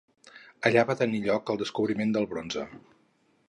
Allà va tenir lloc el descobriment del bronze.